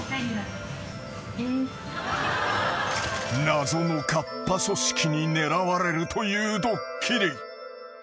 ［謎のカッパ組織に狙われるというドッキリ］